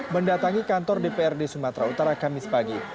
mendatangi kantor dprd sumatera utara kamis pagi